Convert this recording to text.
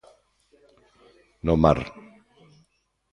No mar.